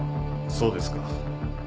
そうですか。